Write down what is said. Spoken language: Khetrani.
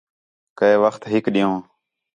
کَئے وخت ہِک ݙِین٘ہوں